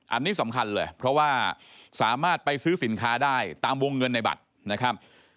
อันนี้สำคัญเลยเพราะว่าสามารถไปซื้อสินค้าได้ตามวงเงินในบัตรนะครับ